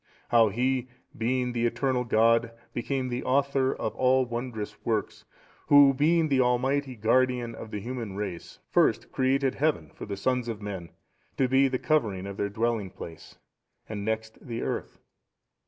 How He, being the eternal God, became the Author of all wondrous works, Who being the Almighty Guardian of the human race, first created heaven for the sons of men to be the covering of their dwelling place, and next the earth."